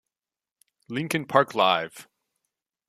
Lincoln Park Live!